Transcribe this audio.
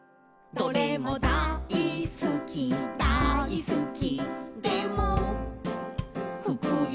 「どれも大すきだいすき」